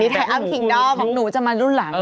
นี่ไทยอัมทิงดอมของหนูจะมารุ่นหลัง